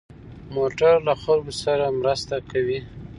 موټر له خلکو سره مرسته کوي.